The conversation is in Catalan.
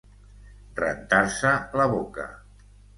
Rentar-se la boca.